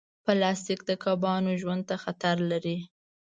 پلاستيک د کبانو ژوند ته خطر لري.